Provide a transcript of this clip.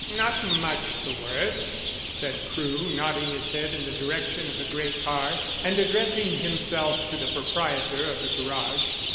"Not much the worse," said Crewe, nodding his head in the direction of the grey car, and addressing himself to the proprietor of the garage.